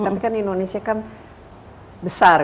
tapi kan indonesia kan besar